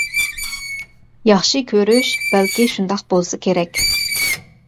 ياخشى كۆرۈش بەلكى شۇنداق بولسا كېرەك.